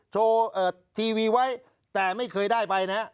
โชว์ทีวีไว้แต่ไม่เคยได้ไปนะ